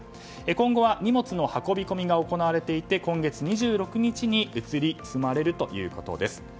今後は荷物の運び込みが行われて今月２６日に移り住まれるということです。